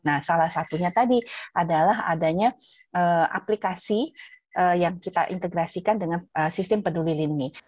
nah salah satunya tadi adalah adanya aplikasi yang kita integrasikan dengan sistem peduli lindungi